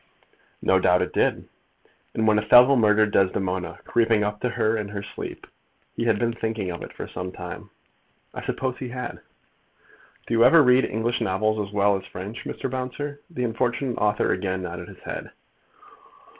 "No doubt it did." "And when Othello murdered Desdemona, creeping up to her in her sleep, he had been thinking of it for some time?" "I suppose he had." "Do you ever read English novels as well as French, Mr. Bouncer?" The unfortunate author again nodded his head.